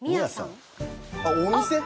あっお店？